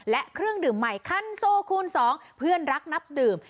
และเครื่องดื่มใหม่คันโซคูณ๒เพื่อนรักนับดื่ม